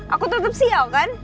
aku tetep sial kan